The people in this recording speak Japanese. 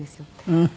うん。